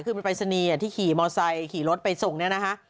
คือเป็นปรายศนีย์ที่ขี่มอไซคขี่รถไปส่งเนี่ยนะคะ